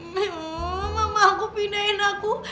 mama aku pindahin aku